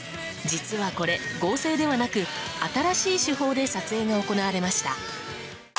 実はこれ、合成ではなく新しい手法で撮影が行われました。